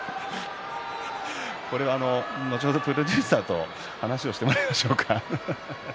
それは後ほどプロデューサーと話をしてもらいましょうか。